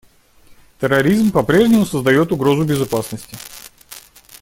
Терроризм по-прежнему создает угрозу безопасности.